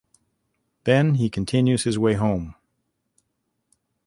Then he continues his way home.